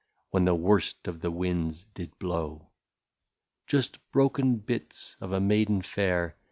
When the worst of the winds did blow. " Just broken bits, — of a maiden fair.